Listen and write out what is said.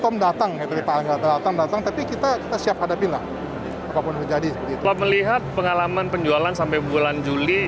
setelah melihat pengalaman penjualan sampai bulan juli